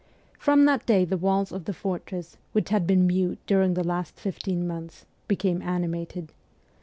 From that day the walls of the fortress, which had been mute during the last fifteen months, became animated.